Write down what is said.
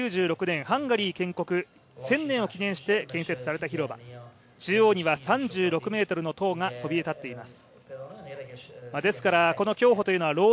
この英雄広場は世界遺産の街、ブダペスト１８９６年、ハンガリー建国１０００年を記念して、建設された広場中央には３６ｍの塔がそびえ立っています。